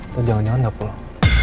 lo jangan jangan gak pulang